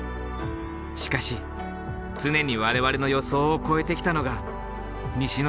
しかし常に我々の予想を超えてきたのが西之島だ。